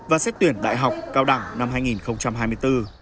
và xét tuyển đại học cao đẳng năm hai nghìn hai mươi bốn